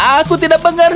aku tidak mengerti